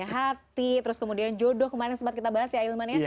hati terus kemudian jodoh kemarin sempat kita bahas ya ahilman ya